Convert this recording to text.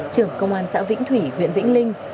trưởng công an xã vĩnh thủy huyện vĩnh linh